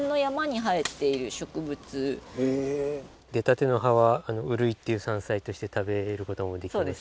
出たての葉はウルイっていう山菜として食べることもできまして。